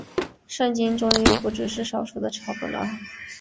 圣经终于不只是少数的抄本了。